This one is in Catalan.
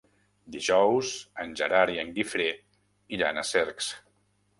Dijous en Gerard i en Guifré iran a Cercs.